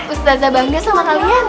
ustazah bangga sama kalian